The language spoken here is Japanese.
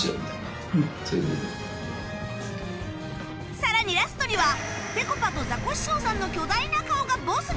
さらにラストにはぺこぱとザコシショウさんの巨大な顔がボスになって登場